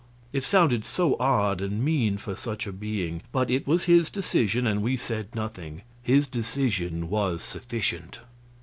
It sounded so odd and mean for such a being! But it was his decision, and we said nothing; his decision was sufficient.